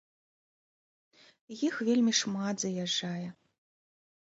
Іх вельмі шмат заязджае.